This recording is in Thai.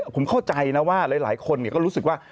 ผมเข้าใจนะว่าหลายคนก็รู้สึกว่า